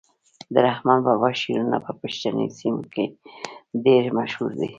د رحمان بابا شعرونه په پښتني سیمو کي ډیر مشهور دي.